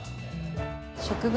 植物